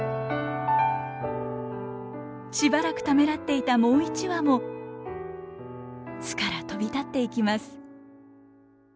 しばらくためらっていたもう１羽も巣から飛び立っていきます。